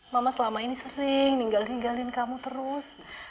mama selama ini sering ninggal ninggalin kamu terus